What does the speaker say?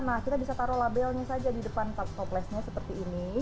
nah kita bisa taruh labelnya saja di depan toplesnya seperti ini